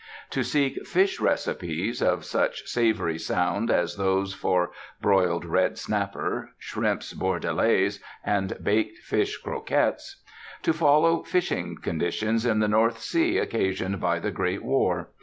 To seek fish recipes, of such savory sound as those for "broiled redsnapper," "shrimps bordelaise," and "baked fish croquettes." To follow fishing conditions in the North Sea occasioned by the Great War.